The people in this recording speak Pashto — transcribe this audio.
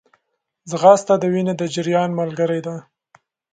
ځغاسته د وینې د جریان ملګری ده